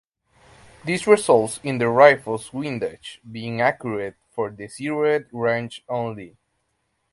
This results in the rifles windage being accurate for the zeroed range only.